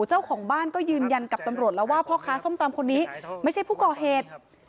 เจ้าของบ้านก็ยืนยันกับตำรวจแล้วว่าพ่อค้าส้มตำคนนี้ไม่ใช่ผู้ก่อเหตุ